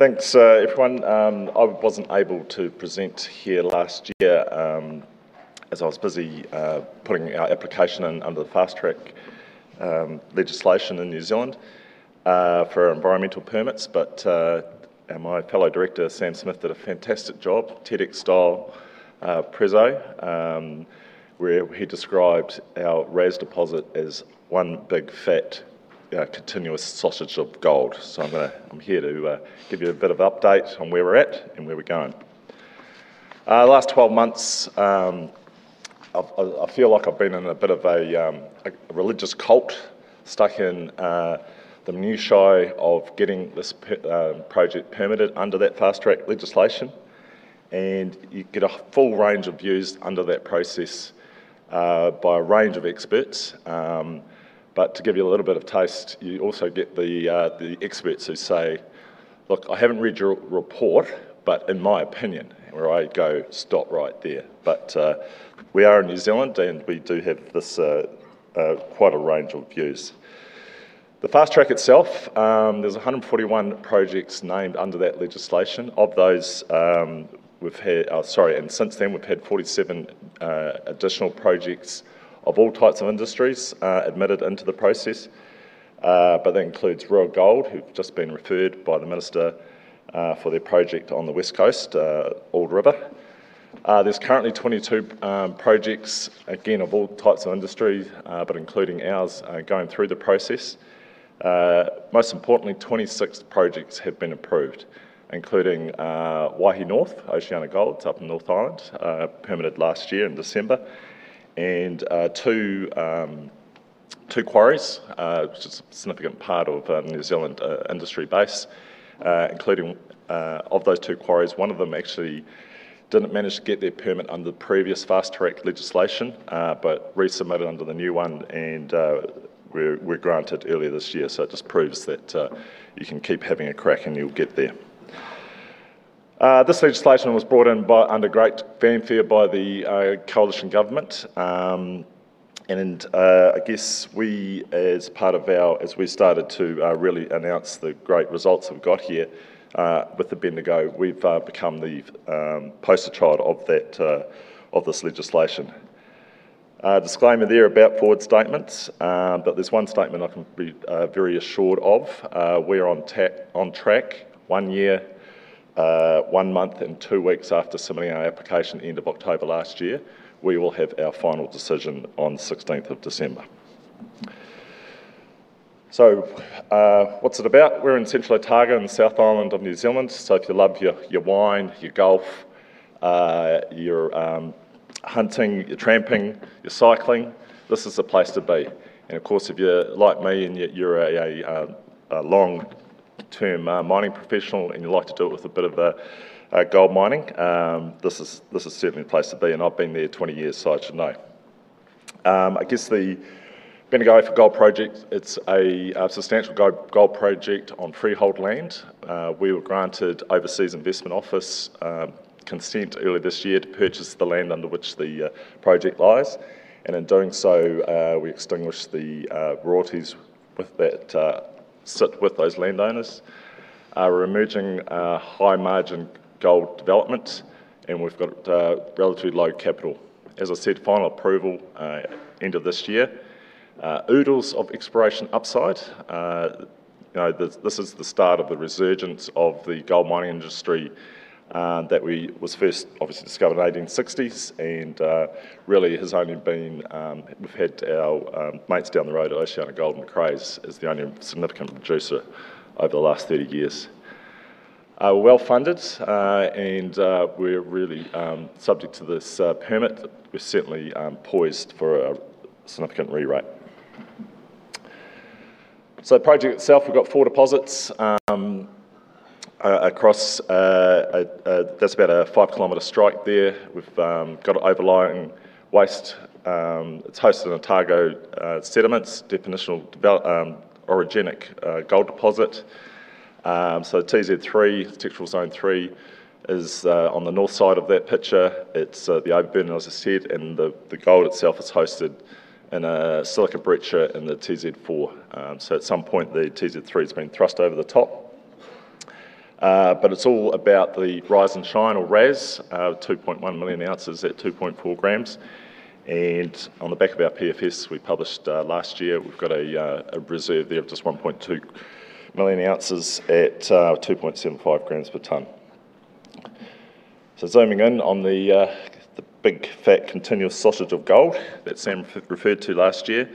Thanks, everyone. I wasn't able to present here last year as I was busy putting our application in under the fast track legislation in New Zealand for our environmental permits. My fellow director, Sam Smith, did a fantastic job, TEDx style preso, where he described our RAS deposit as one big fat continuous sausage of gold. I'm here to give you a bit of update on where we're at and where we're going. Last 12 months, I feel like I've been in a bit of a religious cult, stuck in the minutiae of getting this project permitted under that fast track legislation. You get a full range of views under that process by a range of experts. To give you a little bit of taste, you also get the experts who say, "Look, I haven't read your report, but in my opinion," where I go, "Stop right there." We are in New Zealand, and we do have quite a range of views. The fast track itself, there's 141 projects named under that legislation. Since then we've had 47 additional projects of all types of industries admitted into the process. That includes Royal Gold, who've just been referred by the minister for their project on the West Coast, Old River. There's currently 22 projects, again, of all types of industry, but including ours, going through the process. Most importantly, 26 projects have been approved, including Waihi North, OceanaGold, up in North Island, permitted last year in December, and two quarries, which is a significant part of New Zealand industry base. Of those two quarries, one of them actually didn't manage to get their permit under the previous fast track legislation, but resubmitted under the new one and were granted earlier this year. It just proves that you can keep having a crack and you'll get there. This legislation was brought in under great fanfare by the coalition government. I guess as we started to really announce the great results we've got here with the Bendigo, we've become the poster child of this legislation. Disclaimer there about forward statements, but there's one statement I can be very assured of. We're on track, one year, one month, and two weeks after submitting our application end of October last year. We will have our final decision on 16th of December. What's it about? We're in Central Otago in the South Island of New Zealand. If you love your wine, your golf, your hunting, your tramping, your cycling, this is the place to be. Of course, if you're like me and you're a long-term mining professional and you like to do it with a bit of gold mining, this is certainly the place to be. I've been there 20 years, so I should know. I guess the Bendigo-Ophir Gold Project, it's a substantial gold project on freehold land. We were granted Overseas Investment Office consent earlier this year to purchase the land under which the project lies, and in doing so, we extinguish the royalties that sit with those landowners. We're emerging high-margin gold development, and we've got relatively low capital. As I said, final approval end of this year. Oodles of exploration upside. This is the start of the resurgence of the gold mining industry that was first obviously discovered in 1860s and really we've had our mates down the road at OceanaGold and Macraes as the only significant producer over the last 30 years. We're well-funded, and we're really subject to this permit. We're certainly poised for a significant rerate. The project itself, we've got four deposits across, that's about a 5 km strike there. We've got an overlying waste. It's hosted in Otago sediments, definitional orogenic gold deposit. TZ3, Textural Zone 3, is on the north side of that picture. It's the open, as I said, and the gold itself is hosted in a silica breccia in the TZ4. At some point, the TZ3 has been thrust over the top. It's all about the Rise and Shine or RAS, 2.1 million ounces at 2.4 g. On the back of our PFS we published last year, we've got a reserve there of just 1.2 million ounces at 2.75 g per tonne. Zooming in on the big fat continuous sausage of gold that Sam referred to last year.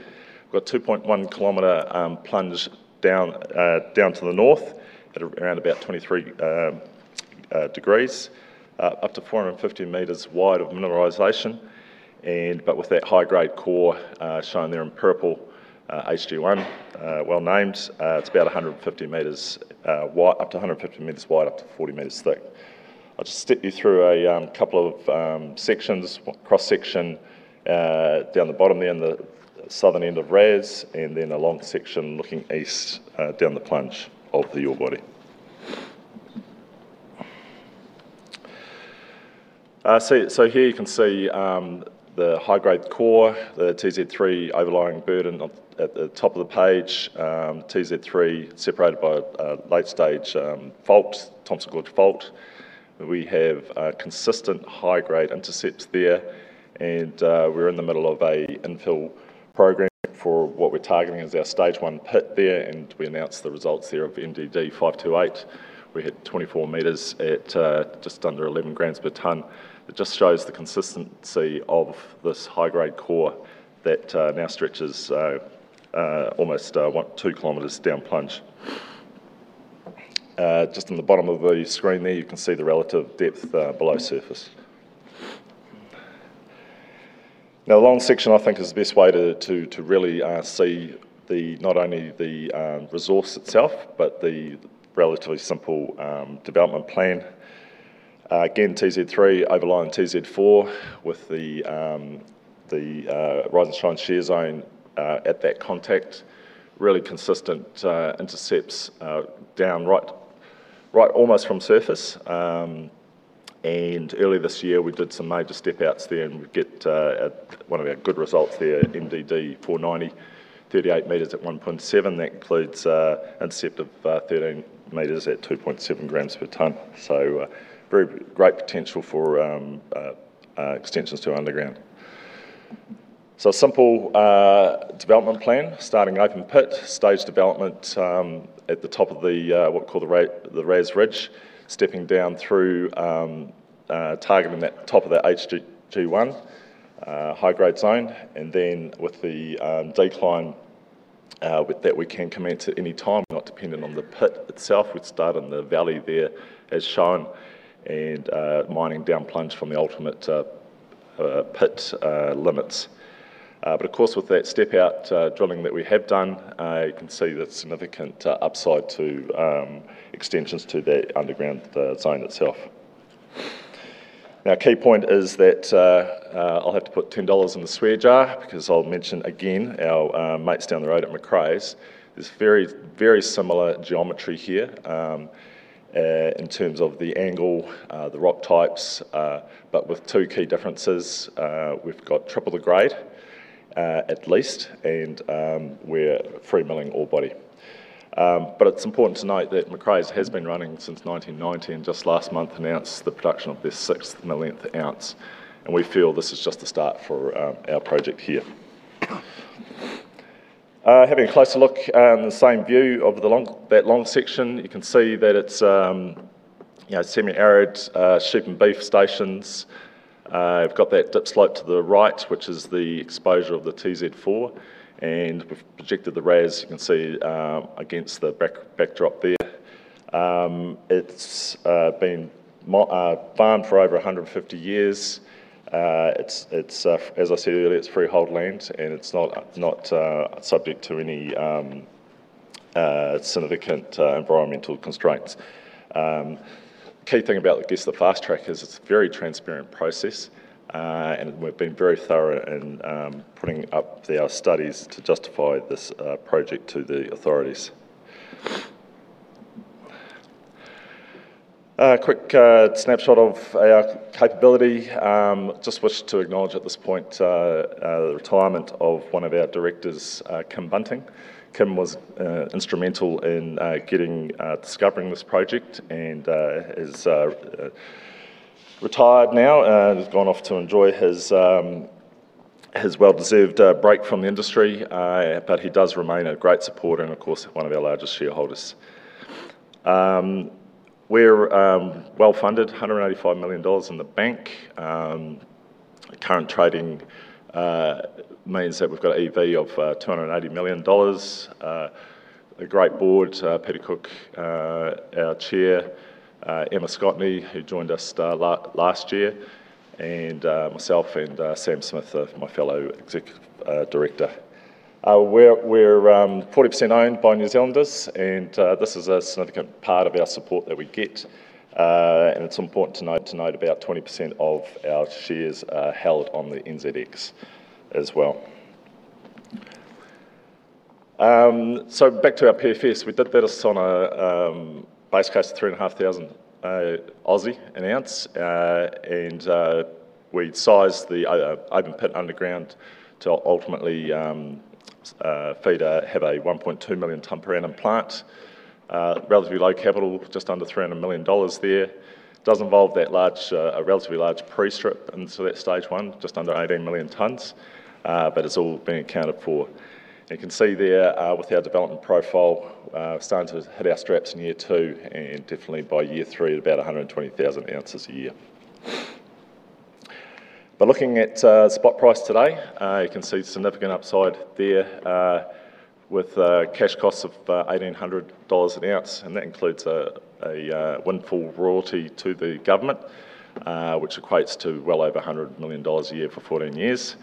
We've got 2.1 km plunge down to the north at around about 23 degrees, up to 450 m wide of mineralization, but with that high-grade core shown there in purple, HG1, well-named. It's up to 150 m wide, up to 40 m thick. I'll just step you through a couple of sections, cross-section down the bottom there on the southern end of RAS, then a long section looking east down the plunge of the ore body. Here you can see the high-grade core, the TZ3 overlying burden at the top of the page, TZ3 separated by a late-stage fault, Thomsons Gorge Fault. We have consistent high-grade intercepts there, and we're in the middle of an infill program for what we're targeting as our Stage 1 pit there, and we announced the results there of MDD-528. We hit 24 m at just under 11 g per tonne. It just shows the consistency of this high-grade core that now stretches almost 2 km down plunge. Just in the bottom of the screen there, you can see the relative depth below surface. A long section I think is the best way to really see not only the resource itself, but the relatively simple development plan. Again, TZ3 overlying TZ4 with the Rise and Shine Shear Zone at that contact. Really consistent intercepts down right almost from surface. Earlier this year, we did some major step-outs there and we get one of our good results there, MDD-490, 38 m at 1.7 [g per tonne]. That includes intercept of 13 m at 2.7 g per tonne. Great potential for extensions to underground. A simple development plan. Starting open pit, stage development at the top of the what we call the RAS Ridge. Stepping down through targeting that top of that HG1, high-grade zone. Then with the decline, that we can commence at any time, not dependent on the pit itself. We'd start in the valley there as shown, and mining down plunge from the ultimate pit limits. Of course, with that step-out drilling that we have done, you can see that significant upside to extensions to that underground zone itself. Key point is that I'll have to put 10 dollars in the swear jar, because I'll mention again our mates down the road at Macraes. There's very similar geometry here, in terms of the angle, the rock types. With two key differences. We've got triple the grade, at least, and we're free milling ore body. It's important to note that Macraes has been running since 1990, and just last month announced the production of their 6th millionth ounce, and we feel this is just the start for our project here. Having a closer look, the same view of that long section, you can see that it's semi-arid sheep and beef stations. We've got that dip slope to the right, which is the exposure of the TZ4, and we've projected the RAS, you can see, against the backdrop there. It's been farmed for over 150 years. As I said earlier, it's freehold land, it's not subject to any significant environmental constraints. Key thing about, I guess, the fast track is it's a very transparent process. We've been very thorough in putting up our studies to justify this project to the authorities. A quick snapshot of our capability. Just wish to acknowledge at this point the retirement of one of our directors, Kim Bunting. Kim was instrumental in discovering this project and is retired now, and has gone off to enjoy his well-deserved break from the industry. He does remain a great supporter and of course, one of our largest shareholders. We're well-funded, 185 million dollars in the bank. Current trading means that we've got an EV of 280 million dollars. A great board, Peter Cook, our Chair, Emma Scotney, who joined us last year, and myself and Sam Smith, my fellow Executive Director. We're 40% owned by New Zealanders. This is a significant part of our support that we get. It's important to note about 20% of our shares are held on the NZX as well. Back to our PFS. We did that on a base case of 3,500 an ounce. We sized the open pit underground to ultimately have a 1.2 million tonne per annum plant. Relatively low capital, just under 300 million dollars there. Does involve a relatively large pre-strip, and so that's Stage 1, just under 18 million tonnes. It's all been accounted for. You can see there with our development profile, starting to hit our straps in year two, and definitely by year three, at about 120,000 oz a year. Looking at spot price today, you can see significant upside there with cash costs of 1,800 dollars an ounce, and that includes a windfall royalty to the government, which equates to well over 100 million dollars a year for 14 years.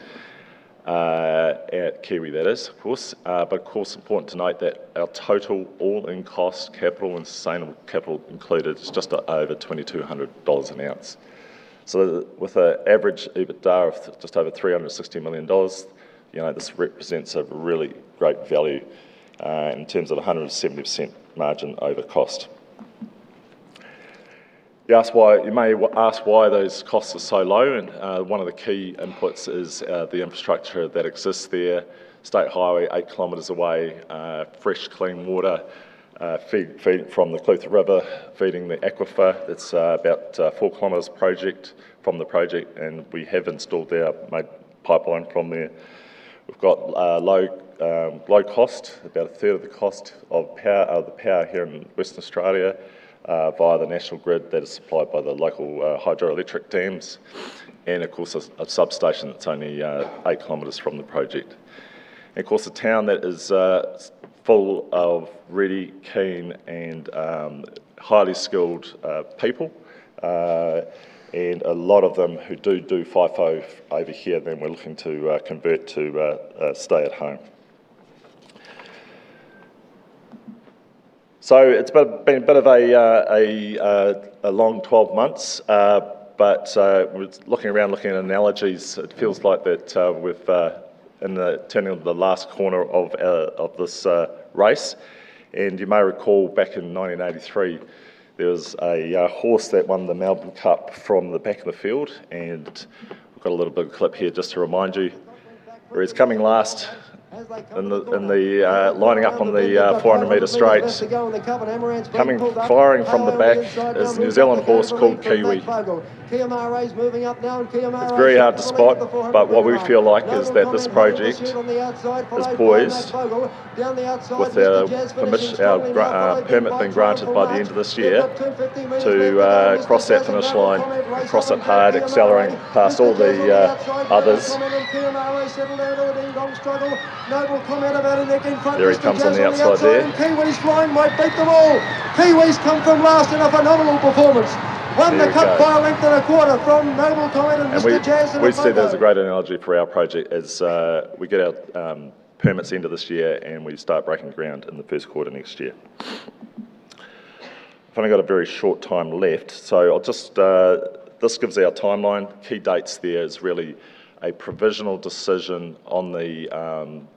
At Kiwi that is, of course. Of course, important to note that our total all-in cost, capital and sustainable capital included, is just at over 2,200 dollars an ounce. So with an average EBITDA of just over 360 million dollars, this represents a really great value in terms of 170% margin over cost. You may ask why those costs are so low, and one of the key inputs is the infrastructure that exists there. State highway, 8 km away, fresh, clean water from the Clutha River, feeding the aquifer. It's about a 4 km project from the project, and we have installed our main pipeline from there. We've got low cost, about a third of the cost of the power here in Western Australia via the national grid that is supplied by the local hydroelectric dams. Of course, a substation that's only 8 km from the project. Of course, a town that is full of really keen and highly skilled people, and a lot of them who do FIFO over here, and we're looking to convert to stay at home. It's been a bit of a long 12 months. Looking around, looking at analogies, it feels like that we're turning the last corner of this race. You may recall back in 1983, there was a horse that won the Melbourne Cup from the back of the field, and I've got a little bit of clip here just to remind you, where he's coming last in the lining up on the 400 m straight. Coming firing from the back is a New Zealand horse called Kiwi. It's very hard to spot, but what we feel like is that this project. Is poised, with our permit being granted by the end of this year, to cross that finish line and cross it hard, accelerating past all the others. [inaudible] Noble Comet about a neck in front. Mr. Jazz on the outside. There he comes on the outside there. Kiwi's flying, might beat them all. Kiwi's come from last in a phenomenal performance. Won the Cup by a length and a quarter from Noble Comet and Mr. Jazz in a photo. There we go. We see there's a great analogy for our project as we get our permits end of this year, we start breaking ground in the first quarter next year. I've only got a very short time left, so this gives our timeline. Key dates there is really a provisional decision on the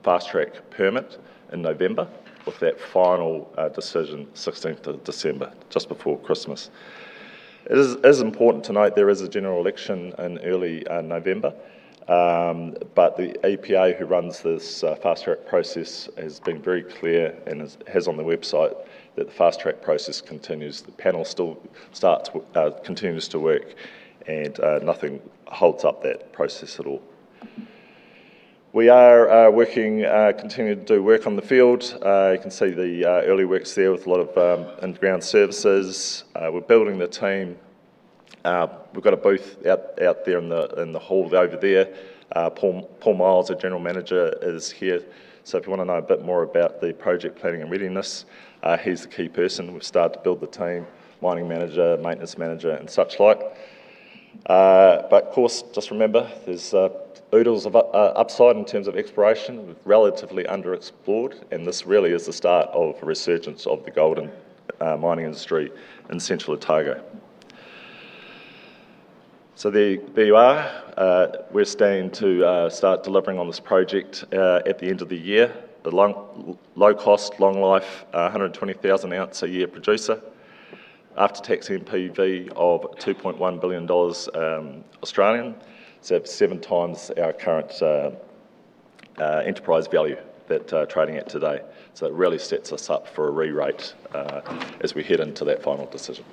fast-track permit in November, with that final decision 16th of December, just before Christmas. It is important to note there is a general election in early November. The EPA, who runs this fast-track process, has been very clear and has on the website that the fast-track process continues. The panel still continues to work, nothing holds up that process at all. We are working, continuing to do work on the field. You can see the early works there with a lot of underground services. We're building the team. We've got a booth out there in the hall over there. Paul Miles, our General Manager, is here, so if you want to know a bit more about the project planning and readiness, he's the key person. We've started to build the team, mining manager, maintenance manager, and such like. Of course, just remember, there's oodles of upside in terms of exploration, relatively underexplored, and this really is the start of a resurgence of the golden mining industry in Central Otago. There you are. We're staying to start delivering on this project at the end of the year. A low-cost, long-life, 120,000 oz a year producer. After-tax NPV of 2.1 billion dollars, that's 7x our current enterprise value that we're trading at today. It really sets us up for a re-rate as we head into that final decision.